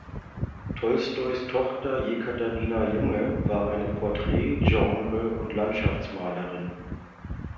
Tolstois Tochter Jekaterina Junge war eine Porträt-, Genre- und Landschaftsmalerin.